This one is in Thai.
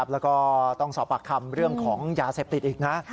แล้วก็ต้องสอบปากคำเรื่องของยาเสพติดอีกนะ